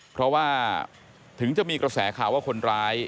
เพราะว่าถึงจะมีกระแสข่าวว่าคนร้าย